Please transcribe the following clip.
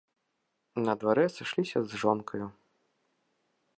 На дварэ сышліся з жонкаю.